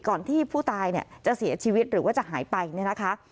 ก่อนที่ผู้ตายจะเสียชีวิตหรือว่าจะหายไปนะคะ